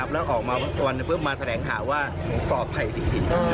แล้วออกมาพักส่วนพึ่งมาแสดงถามว่าปลอดภัยดี